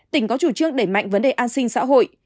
tỉnh có chủ trương đẩy mạnh vấn đề an sinh xã hội